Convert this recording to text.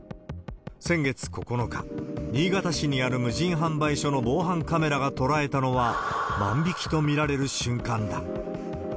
先月９日、新潟市にある無人販売所の防犯カメラが捉えたのは、万引きと見られる瞬間だ。